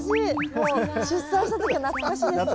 もう出産した時が懐かしいですね。